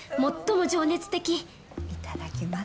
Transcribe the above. いただきます